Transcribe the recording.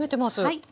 はい。